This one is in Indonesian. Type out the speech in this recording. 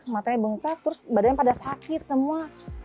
matanya bengkak terus badan pada sakit semua